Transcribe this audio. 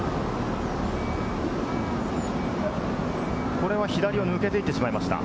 これは左を抜けていってしまいました。